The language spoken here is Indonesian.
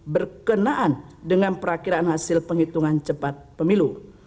berkenaan dengan perakhiran hasil penghitungan cepat pemilu